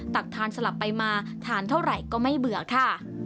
ทานสลับไปมาทานเท่าไหร่ก็ไม่เบื่อค่ะ